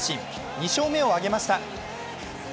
２勝目を挙げました。